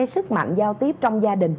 sức mạnh giao tiếp trong gia đình